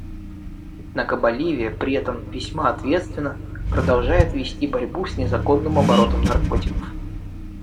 Однако Боливия, при этом весьма ответственно, продолжает вести борьбу с незаконным оборотом наркотиков.